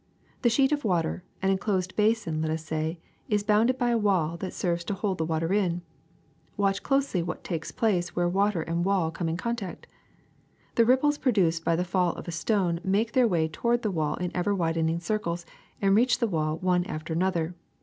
The sheet of water, an enclosed basin let us say, is bounded by a wall that serves to hold the water in. Watch closely what takes place where water and wall come in contact. The ripples produced by the fall of a stone make their way to ward the wall in ever widening circles, and reach the wall one after another.